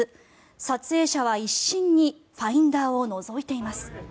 撮影者は一心にファインダーをのぞいています。